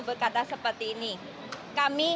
berkata seperti ini kami